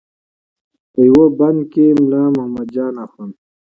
په یوه بند کې یې ملا محمد جان اخوند.